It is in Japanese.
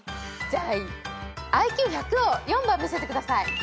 じゃあＩＱ１００を４番見せてください。